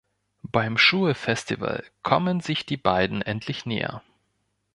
Beim Schul-Festival kommen sich die beiden endlich näher.